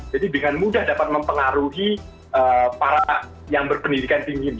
jadi dengan mudah dapat mempengaruhi para yang berpendidikan tinggi